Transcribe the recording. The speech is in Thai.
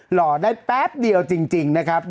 หล่อได้แป๊บเดียวจริงนะครับ